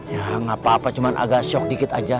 ya nggak apa apa cuma agak shock dikit aja